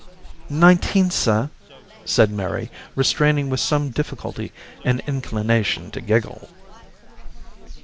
"Nineteen, sir," said Mary, restraining with some difficulty an inclination to giggle.